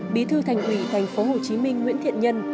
bí thư thành ủy tp hcm nguyễn thiện nhân